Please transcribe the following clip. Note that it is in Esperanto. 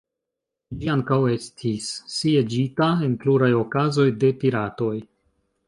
Ĝi ankaŭ estis sieĝita, en pluraj okazoj, de piratoj.